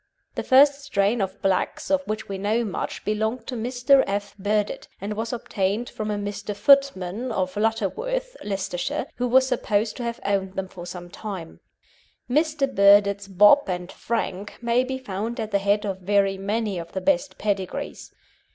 The first strain of blacks of which we know much belonged to Mr. F. Burdett, and was obtained from a Mr. Footman, of Lutterworth, Leicestershire, who was supposed to have owned them for some time. Mr. Burdett's Bob and Frank may be found at the head of very many of the best pedigrees.